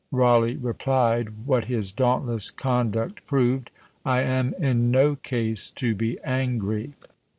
Rawleigh replied, what his dauntless conduct proved "I am in no case to be angry."